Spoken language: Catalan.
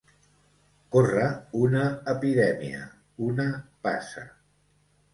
Córrer una epidèmia, una passa.